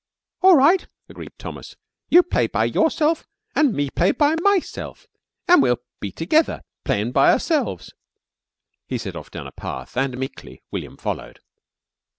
"All right!" agreed Thomas. "You play by you'self an' me play by myself, an' we'll be together playin' by ourselves." He set off down a path, and meekly William followed.